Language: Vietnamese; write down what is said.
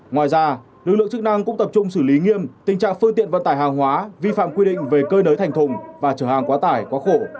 ngoài ra lực lượng chức năng cũng tập trung xử lý nghiêm tình trạng phương tiện vận tải hàng hóa vi phạm quy định về cơi nới thành thùng và trở hàng quá tải quá khổ